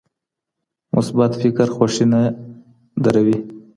مثبت فکر خوښي نه دروي.